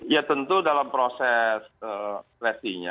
ya tentu dalam proses lestinya